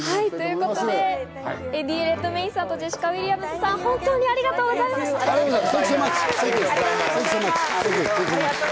エディ・レッドメインさんとジェシカ・ウィリアムズさん、本当にありがとうございました。